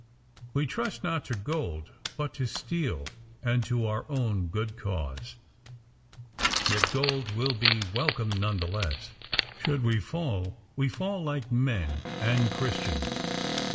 We trust not to gold, but to steel and to our own good cause, yet gold will be welcome none the less. Should we fall, we fall like men and Christians.